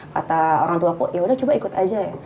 kata orang tuaku yaudah coba ikut aja ya